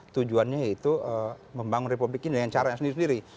tujuannya itu membangun republik ini dengan caranya sendiri sendiri